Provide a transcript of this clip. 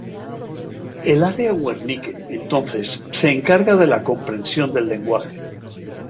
El área Wernicke, entonces, se encarga de la comprensión del lenguaje.